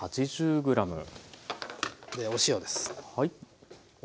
でお塩です。